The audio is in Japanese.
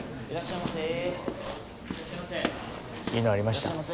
いいのありました？